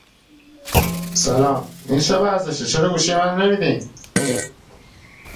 خوراک نامغذی فقیران